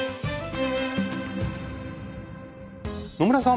野村さん